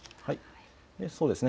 そうですね。